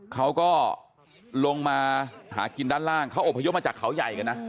เขาก็ลงมาหากินด้านล่างเขาอบพยพมาจากเขาใหญ่กันนะ